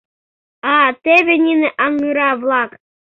А теве нине аҥыра-влак...